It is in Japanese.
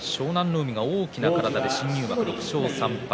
海、大きな体で新入幕６勝３敗。